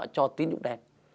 cho tín dụng đen